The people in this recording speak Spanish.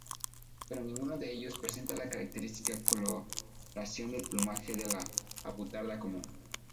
Pero ninguno de ellos presenta la característica coloración del plumaje de la avutarda común.